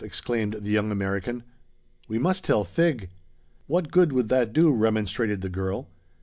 exclaimed the young American. "We must tell Thig!" "What good would that do?" remonstrated the girl.